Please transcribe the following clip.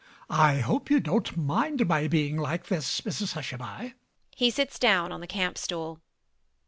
MAZZINI. I hope you don't mind my being like this, Mrs Hushabye. [He sits down on the campstool].